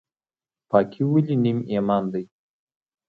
پاکي ولې نیم ایمان دی؟